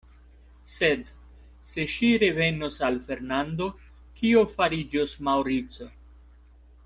Sed se ŝi revenos al Fernando, kio fariĝos Maŭrico?